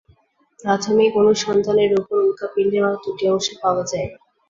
প্রাথমিক অনুসন্ধানের পর উল্কাপিন্ডের মাত্র দুটি অংশ পাওয়া যায়।